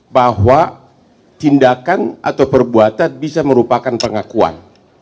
bahwa tindakan atau perbuatan bisa merupakan pengakuan